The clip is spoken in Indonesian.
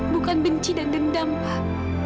bukan benci dan dendam pak